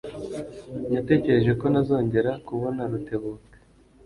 Natekereje ko ntazongera kubona Rutebuka.